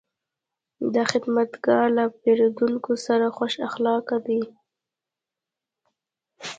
دا خدمتګر له پیرودونکو سره خوش اخلاقه دی.